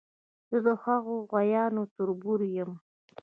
زه د هغو غوایانو تربور یم.